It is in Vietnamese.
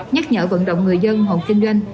nhắc nhở vận động người dân hộ kinh doanh